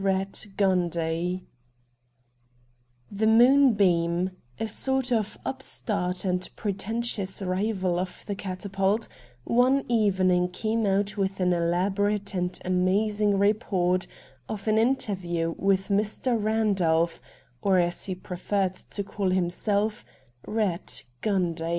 RATT GUNDY The ' Moonbeam,' a sort of upstart and pre tentious rival of the ' Catapult,' one evening came out with an elaborate and amazing report of an interview with Mr. Eandolph, or, as he preferred to call himself, Eatt Gundy.